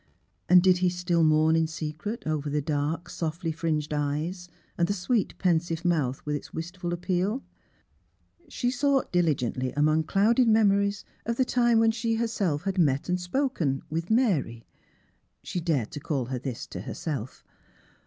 And did he still mourn in secret over the dark, softly fringed eyes, and the sweet, pensive mouth with its wistful appeal? She sought diligently among clouded memories of the time when she herself had met and spoken with — Mary. She dared to call her this to herself.